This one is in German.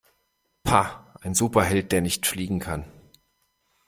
Pah, ein Superheld, der nicht fliegen kann!